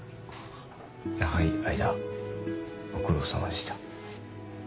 長い間ご苦労さまでした。